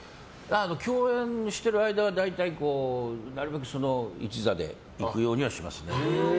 共演してる間は大体なるべく、その一座で行くようにはしますね。